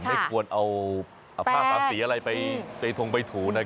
ไม่ควรเอาผ้าภาพสามสีอะไรไปถู